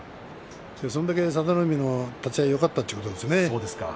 それだけ佐田の海の立ち合いがよかったということですね。